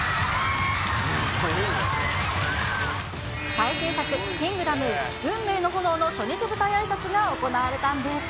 最新作、キングダム運命の炎の初日舞台あいさつが行われたんです。